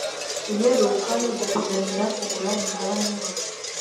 iheruka yo gupiganira kugura imigabane yose